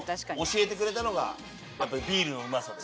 教えてくれたのがやっぱりビールのうまさです。